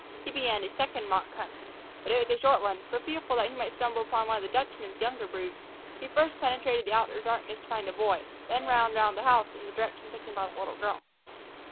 He began a second mock hunt. But it was a short one, for, fearful that he might stumble upon one of the Dutchman's younger brood, he first penetrated the outer darkness to find a boy, and then ran round the house in the direction taken by the little girl.